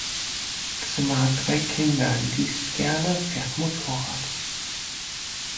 Zimmer hat drei Kinder, liest gerne, fährt Motorrad.